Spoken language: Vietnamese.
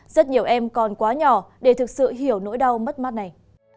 rất nhiều em còn quá nhỏ để thực sự hiểu nỗi đau mất mát này